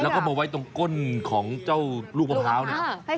แล้วก็มาไว้ตรงก้นของเจ้าลูกมะพร้าวเนี่ย